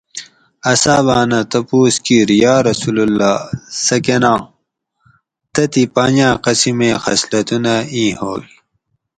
اصحاباۤنہ تپوس کیر یارسول اللّہ سہ کناں؟ تتھی پنجاۤ قسمیں خصلتونہ اِیں ہوگ